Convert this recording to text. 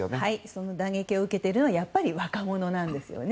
その打撃を受けているのがやはり若者なんです。